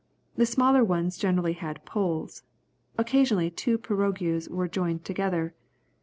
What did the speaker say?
The smaller ones generally had poles. Occasionally two pirogues were joined together.